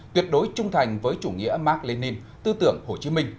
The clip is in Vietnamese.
tuyệt đối trung thành với chủ nghĩa mark lenin tư tưởng hồ chí minh